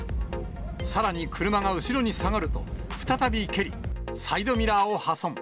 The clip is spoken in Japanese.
さらに車が後ろに下がると、再び蹴り、サイドミラーを破損。